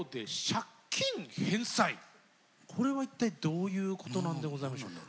これは一体どういうことなんでございましょうか？